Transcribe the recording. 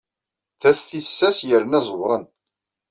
D at tissas yerna ẓewren.